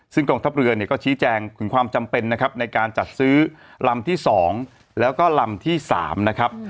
ซึ่งกองทัพเรือเนี่ยก็ชี้แจงถึงความจำเป็นนะครับในการจัดซื้อลำที่๒แล้วก็ลำที่๓นะครับ